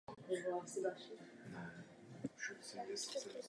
Doufejme, že tyto peníze půjdou na pokrytí těchto nákladů.